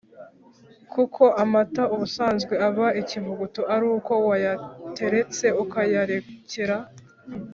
Kuko amata ubusanzwe aba ikivuguto ari uko wayateretse ukayarekera